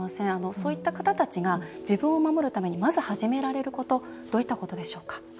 そういった方たちが自分を守るためにまず始められることどういったことでしょうか？